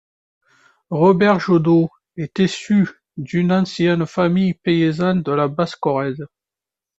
Robert Joudoux est issu d'une ancienne famille paysanne de la Basse-Corrèze.